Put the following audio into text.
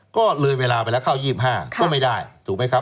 ก็เลยเวลาไปแล้วเข้า๒๕ก็ไม่ได้ถูกไหมครับ